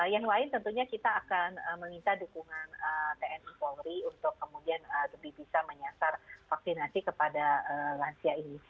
yang lain tentunya kita akan meminta dukungan tni polri untuk kemudian lebih bisa menyasar vaksinasi kepada lansia ini